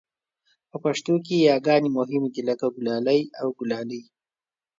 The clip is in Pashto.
په پښتو کې یاګانې مهمې دي لکه ګلالی او ګلالۍ